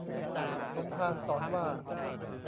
สมภารสอนว่า